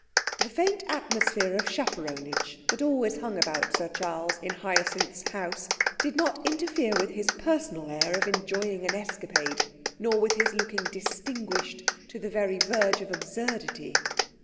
The faint atmosphere of chaperonage that always hung about Sir Charles in Hyacinth's house did not interfere with his personal air of enjoying an escapade, nor with his looking distinguished to the very verge of absurdity.